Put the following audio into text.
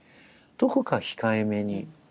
どこか控えめに。